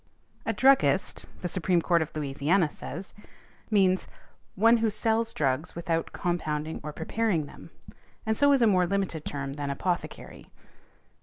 A druggist, the Supreme Court of Louisiana says, means "one who sells drugs without compounding or preparing them: and so is a more limited term than apothecary ."